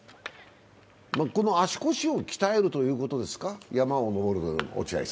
足腰を鍛えるということですか、山を登るのは。